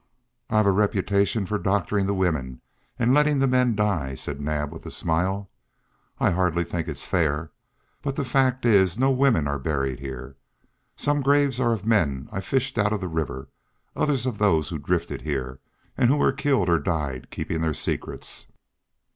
"I've the reputation of doctoring the women, and letting the men die," said Naab, with a smile. "I hardly think it's fair. But the fact is no women are buried here. Some graves are of men I fished out of the river; others of those who drifted here, and who were killed or died keeping their secrets.